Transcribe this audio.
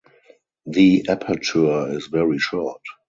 The aperture is very short.